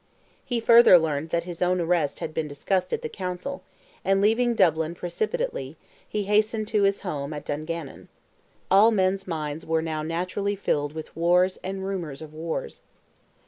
He further learned that his own arrest had been discussed at the Council, and, leaving Dublin precipitately, he hastened to his home at Dungannon. All men's minds were now naturally filled with wars and rumours of wars.